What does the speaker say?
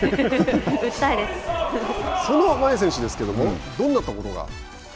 その前選手ですけどもどんなところが？